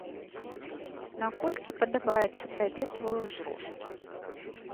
Наколькі падабаецца табе твой узрост?